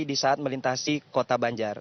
di saat melintasi kota banjar